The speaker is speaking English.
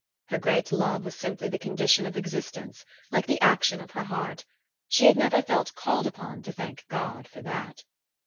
Her great love was simply the condition of existence, like the action of her heart. She had never felt called upon to thank God for that.